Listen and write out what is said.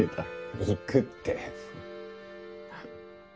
行くって。